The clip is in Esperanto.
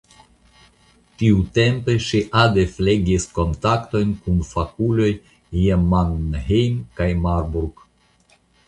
Tiutempe ŝi ade flegis kontaktojn kun fakuloj je Mannheim kaj Marburg.